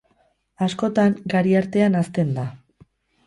Askotan gari artean hazten da.